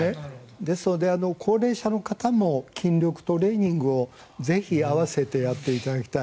ですので、高齢者の方も筋肉トレーニングをぜひ併せてやっていただきたい。